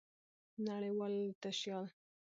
نړۍوال تشيال